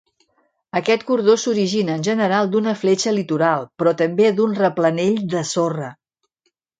Aquest cordó s'origina -en general- d'una fletxa litoral, però també d'un replanell de sorra.